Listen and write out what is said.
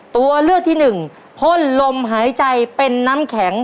ตัวเลือกที่หนึ่งพ่นลมหายใจเป็นน้ำแข็ง